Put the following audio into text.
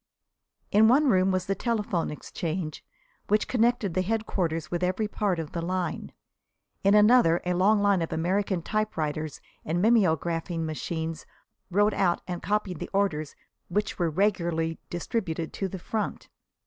In one room was the telephone exchange, which connected the headquarters with every part of the line. In another, a long line of American typewriters and mimeographing machines wrote out and copied the orders which were regularly distributed to the front.